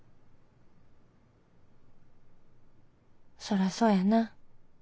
「そらそやな。